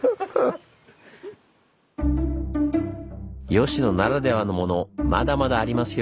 吉野ならではのものまだまだありますよ。